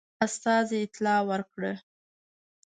استازي اطلاع ورکړه.